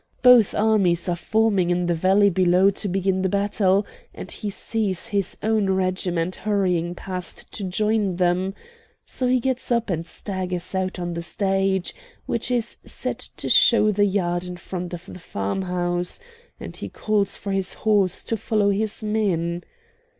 Both armies are forming in the valley below to begin the battle, and he sees his own regiment hurrying past to join them, So he gets up and staggers out on the stage, which is set to show the yard in front of the farm house, and he calls for his horse to follow his men.